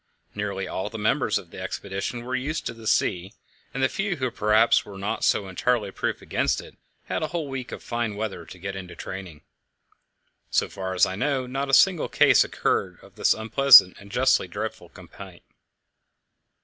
Nearly all the members of the expedition were used to the sea, and the few who, perhaps, were not so entirely proof against it had a whole week of fine weather to get into training. So far as I know, not a single case occurred of this unpleasant and justly dreaded complaint.